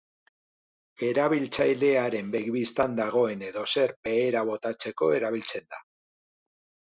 Erabiltzailearen begi bistan dagoen edozer behera botatzeko erabiltzen da.